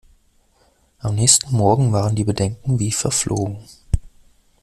Am nächsten Morgen waren die Bedenken wie verflogen.